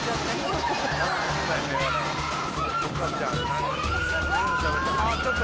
あっ！